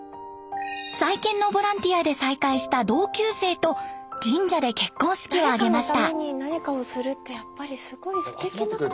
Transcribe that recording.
再建のボランティアで再会した同級生と神社で結婚式を挙げました。